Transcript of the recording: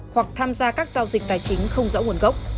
hoặc tham gia các giao dịch tài chính không rõ nguồn gốc